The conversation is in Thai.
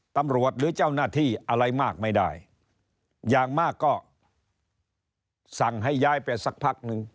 หรือเจ้าหน้าที่อะไรมากไม่ได้อย่างมากก็สั่งให้ย้ายไปสักพักนึง